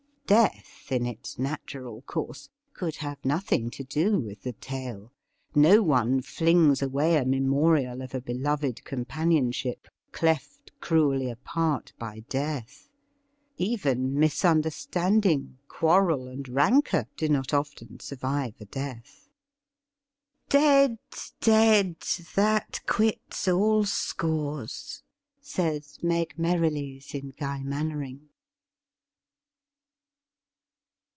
'' Death, in its natural course, could have nothing to do with the tale. No one flings away a memorial of a be loved companionship cleft cruelly apart by death. Even misunderstanding, quarrel and rancour do not often sur vive a death. ' Dead, dead ! That quits all scores,' says Meg Merrilies in ' Guy Mannering.''